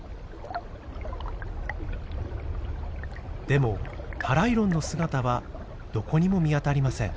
でもタライロンの姿はどこにも見当たりません。